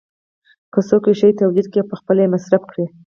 که څوک یو شی تولید کړي او پخپله یې مصرف کړي